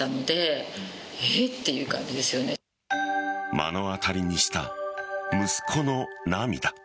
目の当たりにした息子の涙。